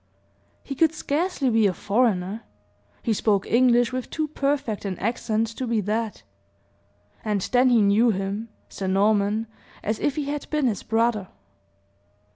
He could scarcely be a foreigner he spoke English with too perfect an accent to be that; and then he knew him, Sir Norman, as if he had been his brother.